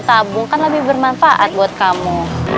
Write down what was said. tabung kan lebih bermanfaat buat kamu